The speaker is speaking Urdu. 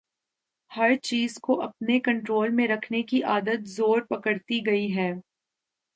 ہر چیز کو اپنے کنٹرول میں رکھنے کی عادت زور پکڑتی گئی ہے۔